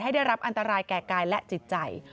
ได้รับอันตรายแก่กายและจิตใจ